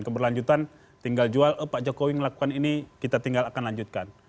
keberlanjutan tinggal jual pak jokowi melakukan ini kita tinggal akan lanjutkan